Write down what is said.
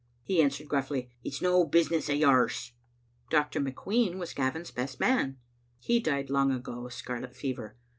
He answered gruffly, " It*s no busi ness o' yours." Dr. McQueen was Gavin's best man. He died long ago of scarlet fever.